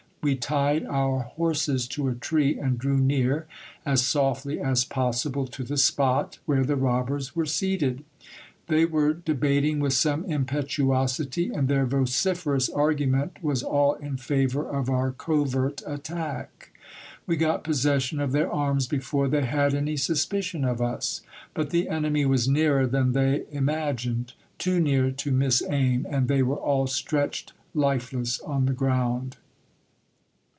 We tied our horses to a tree, and drew near, as softly as possible, to the spot where the robbers were seated. They were debating with some impetuosity, and their vociferous argument was all in favour of our covert attack. We got possession of their arms before they had any suspicion of us. But the enemy was nearer than they imagined : too near to miss aim, and they were all stretched lifeless on the ground.